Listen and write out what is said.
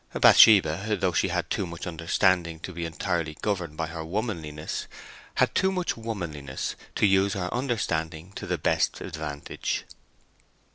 Bathsheba, though she had too much understanding to be entirely governed by her womanliness, had too much womanliness to use her understanding to the best advantage.